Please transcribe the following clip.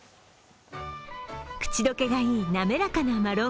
口溶けがいい滑らかなマロン